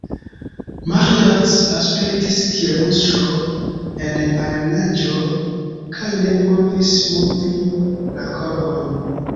Maĥiac aspektis kiel muŝo en araneaĵo, kaj ne povis movi la korpon.